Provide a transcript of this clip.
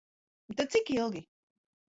Tad cik ilgi?